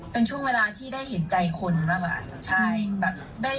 เป็นช่วงเวลาที่ได้เห็นใจคนมากกว่า